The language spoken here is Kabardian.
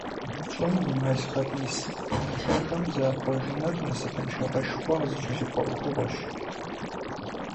ЩӀым и малъхъэдис бынжэхэм захъуэжыныр насыпыншагъэшхуэ къызыкӀэлъыкӀуэ Ӏуэхугъуэщ.